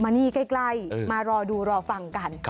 นี่ใกล้มารอดูรอฟังกัน